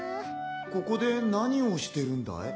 ここで何をしてるんだい？